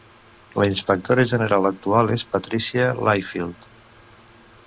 La inspectora general actual és Patricia Layfield.